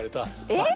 えっ？